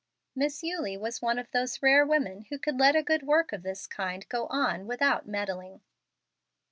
Miss Eulie was one of those rare women who could let a good work of this kind go on without meddling.